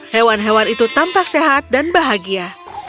hewan hewan itu tampak sehat dan bahagia